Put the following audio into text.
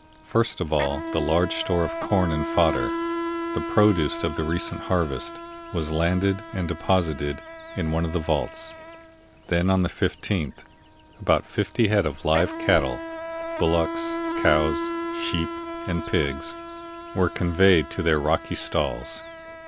First of all, the large store of corn and fodder, the produce of the recent harvest, was landed and deposited in one of the vaults; then, on the 15th, about fifty head of live cattle bullocks, cows, sheep, and pigs were conveyed to their rocky stalls.